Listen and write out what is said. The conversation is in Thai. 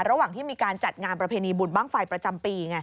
ระหว่างที่มีการจัดงานประเพณีบุญบ้างไฟประจำปี